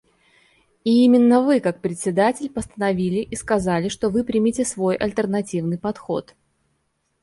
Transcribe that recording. И именно Вы, как Председатель, постановили и сказали, что Вы примете свой альтернативный подход.